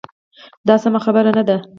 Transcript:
دا سمه خبره نه ده.